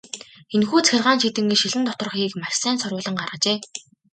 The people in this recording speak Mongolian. Энэхүү цахилгаан чийдэнгийн шилэн доторх хийг маш сайн соруулан гаргажээ.